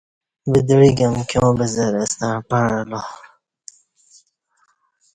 ودعیک امکیاں بزرہ ستݩع پݩع اہ لا